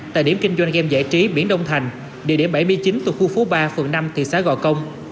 tại điểm kinh doanh gam giải trí biển đông thành địa điểm bảy mươi chín thuộc khu phố ba phường năm thị xã gò công